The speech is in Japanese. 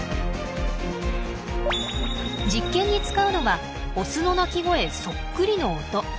実験に使うのはオスの鳴き声そっくりの音。